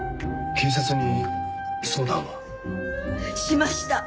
警察に相談は？しました。